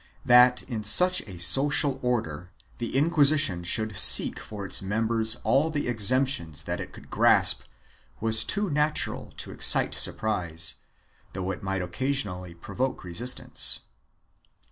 4 That in such a social order the Inquisition should seek for its members all the exemptions that it could grasp was too natural to excite surprise, though it might occasionally provoke resistance.